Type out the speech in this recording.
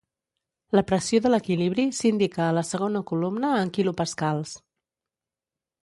La pressió de l'equilibri s'indica a la segona columna en kPa.